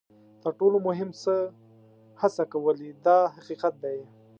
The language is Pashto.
تر ټولو مهم څه هڅه کول دي دا حقیقت دی.